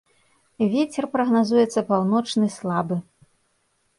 Вецер прагназуецца паўночны слабы.